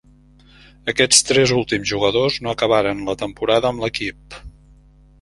Aquests tres últims jugadors no acabaren la temporada amb l'equip.